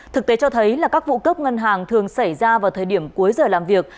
thực tế cho thấy là các vụ cướp ngân hàng thường xảy ra vào thời điểm cuối giờ làm việc